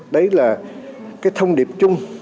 đấy là cái thông điệp chung